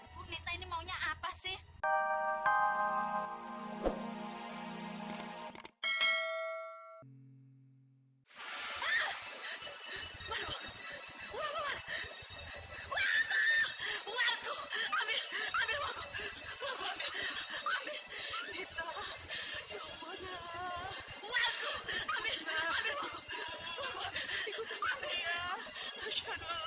bu nita ini maunya apa sih